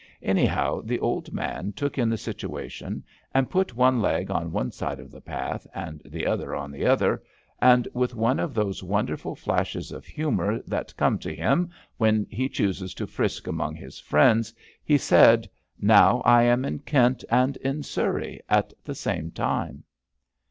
Anyhow, the' old man took in the situation, and put one leg on one side of the path and the other on the other, and with one of those wonderful flashes of humour that come to him when he chooses to frisk among his friends, he said :* Now I am in Kent and in Surrey at the same time.'